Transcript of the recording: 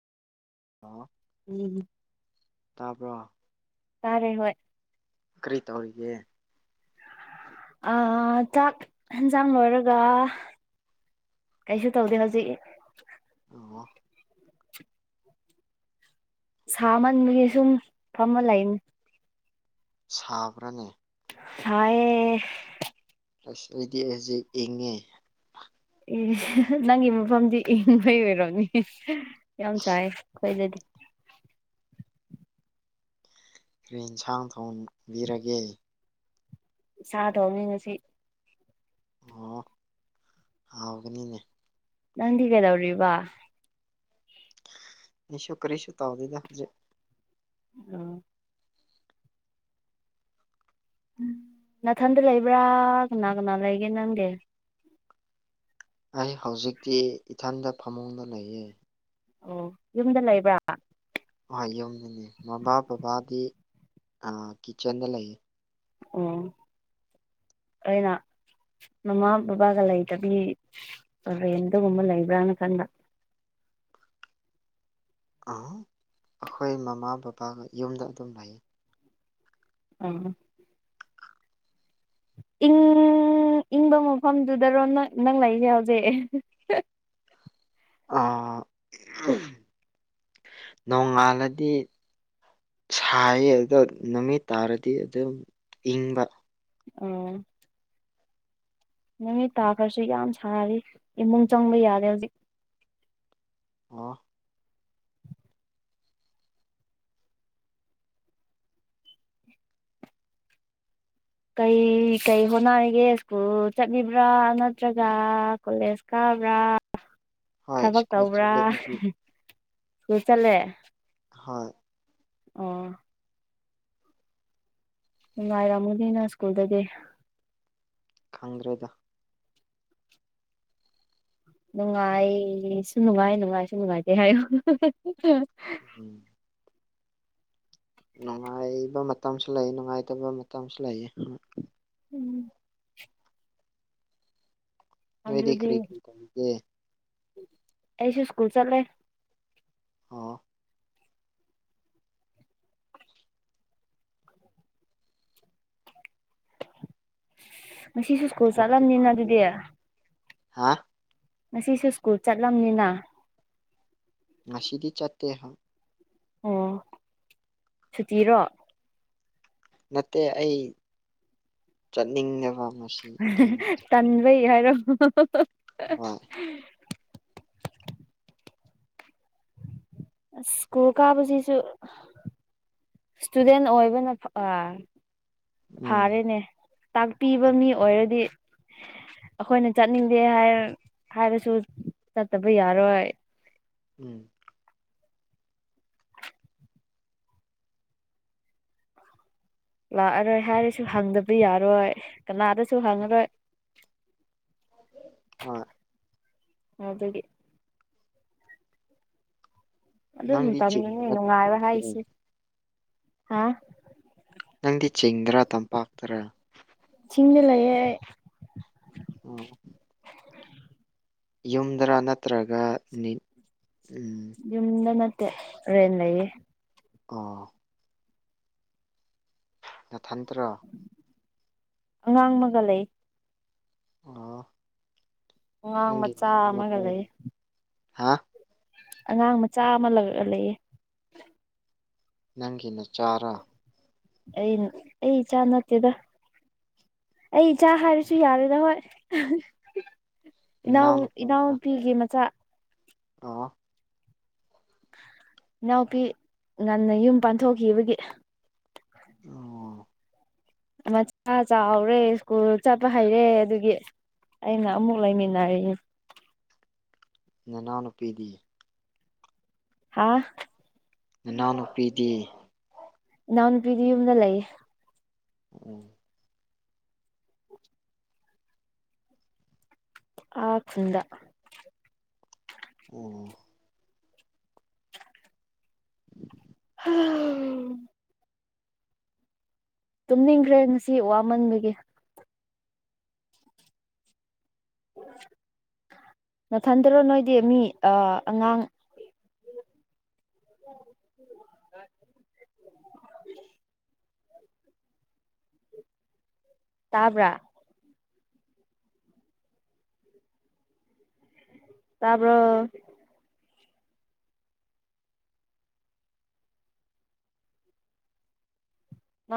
ꯑꯥ ꯎꯝ ꯇꯥꯕ꯭ꯔ ꯇꯥꯔꯦ ꯍꯣꯏ ꯀꯔꯤ ꯇꯧꯔꯤꯒꯦ ꯑ ꯆꯥꯛ ꯍꯦꯟꯖꯥꯡ ꯂꯣꯏꯔꯒ ꯀꯩꯁꯨ ꯇꯧꯗꯦ ꯍꯧꯖꯤꯛ ꯑꯣ ꯁꯥꯃꯟꯕꯒꯤ ꯁꯨꯝ ꯐꯝꯃ ꯂꯩꯅꯤ ꯁꯥꯕ꯭ꯔꯅꯦ ꯁꯥꯌꯦ ꯑꯁ ꯑꯩꯗꯤ ꯍꯧꯖꯤꯛ ꯏꯪꯉꯦ ꯏꯁ ꯅꯪꯒꯤ ꯃꯐꯝꯗꯤ ꯏꯟꯕꯩ ꯑꯣꯏꯔꯝꯅꯤ ꯌꯥꯝ ꯁꯥꯏꯌꯦ ꯑꯩꯈꯣꯏꯗꯗꯤ ꯀ꯭ꯔꯤ ꯏꯟꯁꯥꯡ ꯊꯣꯡꯕꯤꯔꯒꯦ ꯁꯥ ꯊꯣꯡꯉꯦ ꯉꯁꯤ ꯑꯣ ꯍꯥꯎꯒꯅꯤꯅꯦ ꯅꯪꯗꯤ ꯀꯩꯗꯧꯔꯤꯕ ꯑꯩꯁꯨ ꯀꯔꯤꯁꯨ ꯇꯥꯎꯗꯦꯗ ꯍꯧꯖꯤꯛ ꯑꯣ ꯅꯊꯟꯗ ꯂꯩꯕ꯭ꯔꯥ ꯀꯅꯥ ꯀꯅꯥ ꯂꯩꯒꯦ ꯅꯪꯗꯤ ꯑꯩ ꯍꯧꯖꯤꯛꯇꯤ ꯏꯊꯟꯗ ꯐꯃꯨꯡꯗ ꯂꯩꯌꯦ ꯑꯣ ꯌꯨꯝꯗ ꯂꯩꯕ꯭ꯔꯥ ꯍꯣꯏ ꯌꯨꯝꯗꯅꯤ ꯃꯃꯥ ꯕꯕꯥꯗꯤ ꯑ ꯀꯤꯆꯟꯗ ꯂꯩꯌꯦ ꯎꯝ ꯑꯩꯅ ꯃꯃꯥ ꯕꯕꯥꯒ ꯂꯩꯇꯕꯤ ꯔꯦꯟꯗꯒꯨꯝꯕ ꯂꯩꯕ꯭ꯔꯥꯅ ꯈꯟꯕ ꯑ ꯑꯩꯈꯣꯏ ꯃꯃꯥ ꯕꯕꯥꯒ ꯌꯨꯝꯗ ꯑꯗꯨꯝ ꯂꯩꯌꯦ [unintelligible] ꯏꯪ ꯏꯪꯕ ꯃꯐꯝꯗꯨꯗꯔꯣ ꯅꯣꯏ ꯅꯪ ꯂꯩꯔꯤꯁꯦ ꯍꯧꯖꯤꯛ ꯑ ꯅꯣꯡꯉꯥꯜꯂꯗꯤ ꯁꯥꯏꯌꯦ ꯑꯗ ꯅꯨꯃꯤꯠ ꯇꯥꯔꯗꯤ ꯑꯗꯨꯝ ꯏꯪꯕ ꯎꯝ ꯅꯨꯃꯤꯠ ꯇꯥꯈ꯭ꯔꯁꯨ ꯌꯥꯝ ꯁꯥꯔꯤ ꯏꯃꯨꯡ ꯆꯪꯕ ꯌꯥꯗꯦ ꯍꯧꯖꯤꯛ ꯑꯣ ꯀꯩ ꯀꯩ ꯍꯣꯠꯅꯔꯤꯒꯦ ꯁ꯭ꯀꯨꯜ ꯆꯠꯂꯤꯕ꯭ꯔꯥ ꯅꯠꯇ꯭ꯔꯒ ꯀꯣꯂꯦꯖ ꯀꯥꯕ꯭ꯔꯥ ꯍꯣꯏ ꯊꯕꯛ ꯁ꯭ꯀꯨꯜ ꯇꯧꯕ꯭ꯔꯥ ꯆꯠꯂꯦ ꯑꯩꯗꯤ ꯁ꯭ꯀꯨꯜ ꯆꯠꯂꯦ ꯍꯣꯏ ꯑꯣ ꯅꯨꯡꯉꯥꯢꯔꯝꯒꯅꯤꯅ ꯁ꯭ꯀꯨꯜꯗꯗꯤ ꯈꯪꯗ꯭ꯔꯦꯗ ꯅꯨꯡꯉꯥꯢꯁꯨ ꯅꯨꯡꯉꯥꯢ ꯅꯨꯡꯉꯥꯢꯁꯨ ꯅꯨꯡꯉꯥꯢꯇꯦ ꯍꯥꯢꯌꯣ ꯎꯝ ꯅꯨꯡꯉꯥꯢꯕ ꯃꯇꯝꯁꯨ ꯂꯩ ꯅꯨꯡꯉꯥꯢꯇꯕ ꯃꯇꯝꯁꯨ ꯂꯩꯌꯦ ꯎꯝ ꯅꯣꯢꯗꯤ ꯑꯗꯨꯗꯤ ꯀꯔꯤ ꯀ꯭ꯔꯤ [unintelligible] ꯑꯩꯁꯨ ꯁ꯭ꯀꯨꯜ ꯆꯠꯂꯦ ꯑꯣ ꯉꯁꯤꯁꯨꯨ ꯁ꯭ꯀꯨꯜ ꯆꯠꯂꯝꯅꯤꯅ ꯑꯗꯨꯗꯤ ꯍꯥꯥ ꯉꯁꯤꯁꯨ ꯁ꯭ꯀꯨꯜ ꯆꯠꯂꯝꯅꯤꯅ ꯉꯁꯤꯗꯤ ꯆꯠꯇꯦ ꯑꯣ ꯁꯨꯇꯤꯔꯣ ꯅꯠꯇꯦ ꯑꯩ ꯆꯠꯅꯤꯡꯗꯕ ꯉꯁꯤ ꯑꯗꯨꯅꯤ ꯇꯟꯕꯩ ꯍꯥꯢꯔꯣ ꯍꯣꯢ ꯑꯁ ꯁ꯭ꯀꯨꯜ ꯀꯥꯕꯁꯤꯁꯨ ꯏꯁꯇꯨꯗꯦꯟ ꯑꯣꯢꯕꯅ ꯐꯑ ꯎꯝ ꯐꯥꯔꯦꯅꯦ ꯇꯥꯛꯄꯤꯕ ꯃꯤ ꯑꯣꯢꯔꯗꯤ ꯑꯩꯈꯣꯢꯅ ꯆꯠꯅꯤꯡꯗꯦ ꯍꯥꯢꯔ ꯍꯥꯢꯔꯁꯨ ꯆꯠꯇꯕ ꯌꯥꯔꯣꯢ ꯎꯝ ꯂꯥꯛꯑꯔꯣꯢ ꯍꯥꯢꯔꯁꯨ ꯍꯪꯗꯕ ꯌꯥꯔꯣꯢ ꯀꯅꯥꯗꯁꯨ ꯍꯪꯉꯔꯣꯢ ꯍꯣꯢ ꯑ ꯑꯗꯨꯒꯤ ꯑꯗꯨꯝ ꯅꯪꯗꯤ ꯃꯇꯝꯗꯅꯤ ꯆꯤꯡꯗꯔ ꯅꯨꯡꯉꯥꯢꯕ ꯇꯝꯄꯥꯛꯇꯔ ꯍꯥꯢꯁꯦ ꯍꯥ ꯅꯪꯗꯤ ꯆꯤꯡꯗꯔꯥ ꯇꯝꯄꯥꯛꯇꯔ ꯆꯤꯡꯗ ꯂꯩꯌꯦ ꯑꯩ ꯑ ꯌꯨꯝꯗꯔꯥ ꯅꯠꯇ꯭ꯔꯒ ꯅꯤꯠ ꯎꯝ ꯌꯨꯝꯗ ꯅꯠꯇꯦ ꯔꯦꯟ ꯂꯩꯌꯦ ꯑꯥ ꯅꯊꯟꯇ꯭ꯔꯣ ꯑꯉꯥꯡ ꯑꯃꯒ ꯂꯩ ꯑꯣ ꯑꯉꯥꯡ ꯅꯪꯒꯤ ꯃꯆꯥ ꯑꯃꯒ ꯂꯩ [unintelligible] ꯍꯥ ꯑꯉꯥꯡ ꯃꯆꯥ ꯑꯃꯒ ꯂꯩꯌꯦ ꯅꯪꯒꯤ ꯅꯆꯥꯔꯥ ꯑꯩꯅ ꯑꯩ ꯏꯆꯥ ꯅꯠꯇꯦꯗ ꯑꯩ ꯏꯆꯥ ꯍꯥꯢꯔꯁꯨ ꯌꯥꯔꯦꯗ ꯍꯣꯢ ꯏꯅꯥꯎ ꯅꯅꯥꯎ ꯏꯅꯥꯎ ꯅꯨꯄꯤꯒꯤ ꯃꯆꯥ ꯑꯣ ꯑꯣ ꯏꯅꯥꯎꯄꯤ ꯉꯟꯅ ꯌꯨꯝ ꯄꯥꯟꯊꯣꯛꯈꯤꯕꯒꯤ ꯑꯣ ꯃꯁꯥ ꯆꯥꯎꯔꯦ ꯁ꯭ꯀꯨꯜ ꯆꯠꯄ ꯍꯩꯔꯦ ꯑꯗꯨꯒꯤ ꯑꯩꯅ ꯑꯃꯨꯛ ꯂꯩꯃꯤꯟꯅꯔꯤ꯫ ꯅꯅꯥꯎꯅꯨꯄꯤꯗꯤ꯫ ꯍꯥꯥ꯫ ꯅꯥꯎꯅꯨꯄꯤꯗꯤ꯫ ꯏꯅꯥꯎ ꯅꯨꯄꯤꯗꯤ ꯌꯨꯝꯗ ꯂꯩꯌꯦ꯫ [unintelligible] ꯑꯥ ꯈꯨꯟꯗ꯫ ꯑꯣ꯫ [inaudible] [unintelligible] ꯇꯨꯝꯅꯤꯡꯈ꯭ꯔꯦ ꯉꯁꯤ ꯋꯥꯃꯟꯕꯒꯤ꯫ ꯅꯊꯟꯇꯔꯣ ꯅꯣꯏꯗꯤ ꯃꯤ ꯑ ꯑꯉꯥꯡ [inaudible] ꯇꯥꯕ꯭ꯔꯥ꯫ ꯇꯥꯕ꯭ꯔꯣ꯫